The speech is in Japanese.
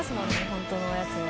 本当のやつは。